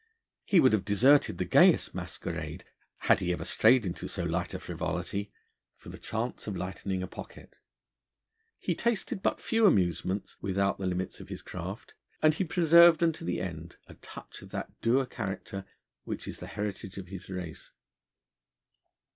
He would have deserted the gayest masquerade, had he ever strayed into so light a frivolity, for the chance of lightening a pocket. He tasted but few amusements without the limits of his craft, and he preserved unto the end a touch of that dour character which is the heritage of his race.